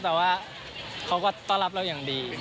แต่ว่าเขาก็ต้อนรับเราอย่างดี